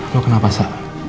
lo kenapa sa